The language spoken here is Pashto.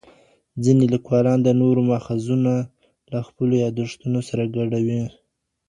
ځیني لیکوالان د نورو ماخذونه له خپلو یادښتونو سره ګډوي.